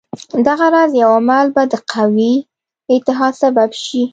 دغه راز یو عمل به د قوي اتحاد سبب شي.